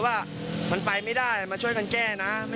เหมือนที่หลายคลุมเขา